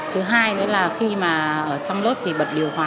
thứ hai nữa là khi mà ở trong lớp thì bật điều hòa